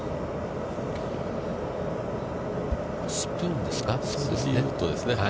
スプーンですか。